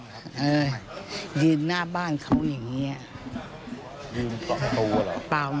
ได้นำเรื่องราวมาแชร์ในโลกโซเชียลจึงเกิดเป็นประเด็นอีกครั้ง